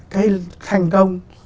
cái thành công